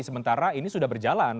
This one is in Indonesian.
sementara ini sudah berjalan